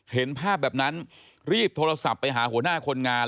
เห็นภาพแบบนั้นรีบโทรศัพท์ไปหาหัวหน้าคนงาน